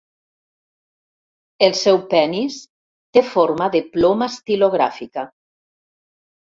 El seu penis té forma de ploma estilogràfica.